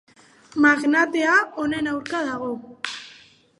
Magnatea honen aurka dago.